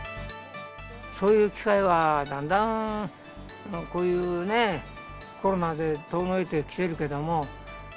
そういう機会はだんだんこういうね、コロナで遠のいてきてるけれども。